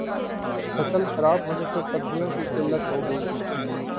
فصل خراب ہونے سے سبزیوں کی قلت ہوگئی